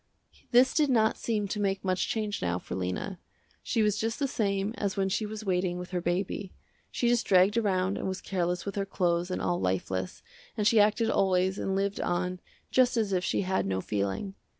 This did not seem to make much change now for Lena. She was just the same as when she was waiting with her baby. She just dragged around and was careless with her clothes and all lifeless, and she acted always and lived on just as if she had no feeling.